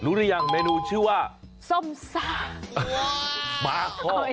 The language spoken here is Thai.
รู้รึยังเมนูชื่อว่าส้มซ่า